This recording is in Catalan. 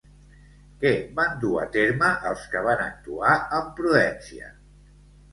Què van dur a terme els que van actuar amb prudència?